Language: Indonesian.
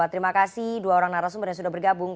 terima kasih dua orang narasumber yang sudah bergabung